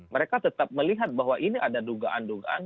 mereka tetap melihat bahwa ini ada dugaan dugaan